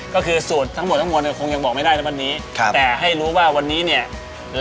ก็คือสูตรทั้งหมดทั้งมวล